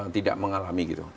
tidak mengalami gitu